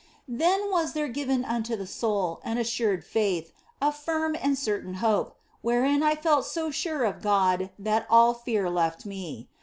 Then was there given unto the soul an assured faith, a firm and certain hope, wherein I felt so sure of God that all fear left me.